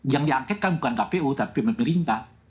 yang diangket kan bukan kpu tapi pemerintah